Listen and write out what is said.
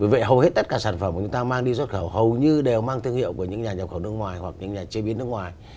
vậy hầu hết tất cả sản phẩm của chúng ta mang đi xuất khẩu hầu như đều mang thương hiệu của những nhà nhập khẩu nước ngoài hoặc những nhà chế biến nước ngoài